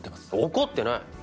怒ってない！